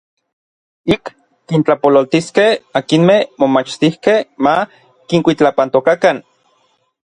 Ik kintlapololtiskej akinmej momachtijkej ma kinkuitlapantokakan.